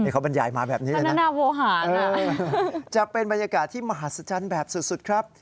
เขาบรรยายมาแบบนี้เลยนะน่าโวหาจะเป็นบรรยากาศที่มหัศจรรย์แบบสุดครับ